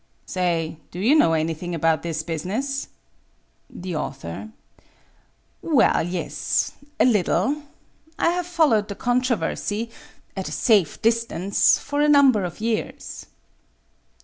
Say, do you know any thing about this business ? The Author: Well, yes, a little. I have followed the controversy — at a safe distance — for a number of years.